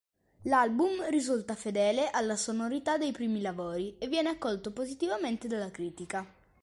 L'album risulta fedele alle sonorità dei primi lavori, e viene accolto positivamente dalla critica.